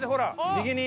右に。